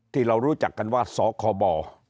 ที่เรารู้จักกันว่าสคบ